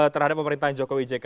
terhadap pemerintahan jokowi jk